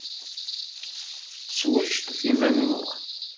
Swejdet iman-nwen!